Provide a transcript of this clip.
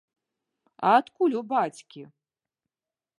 А адкуль у бацькі?